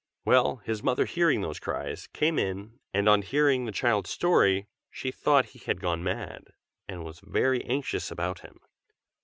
"Well, his mother hearing those cries, came in, and on hearing the child's story she thought he had gone mad, and was very anxious about him.